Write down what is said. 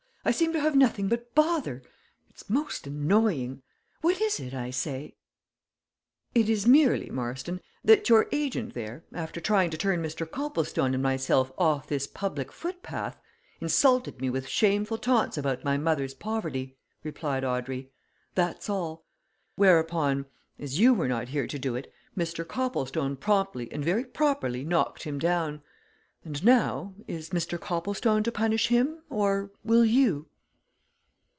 I seem to have nothing but bother it's most annoying. What is it, I say?" "It is merely, Marston, that your agent there, after trying to turn Mr. Copplestone and myself off this public foot path, insulted me with shameful taunts about my mother's poverty," replied Audrey. "That's all! Whereupon as you were not here to do it Mr. Copplestone promptly and very properly knocked him down. And now is Mr. Copplestone to punish him or will you?"